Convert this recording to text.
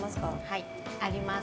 はい、あります。